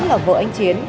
là vợ anh chiến